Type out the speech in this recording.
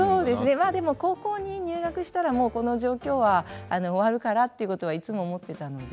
まあでも高校に入学したらもうこの状況は終わるからっていうことはいつも思ってたので。